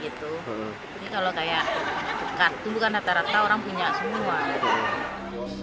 jadi kalau kayak kartu bukan rata rata orang punya semua gitu